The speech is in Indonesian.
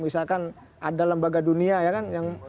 misalkan ada lembaga dunia ya kan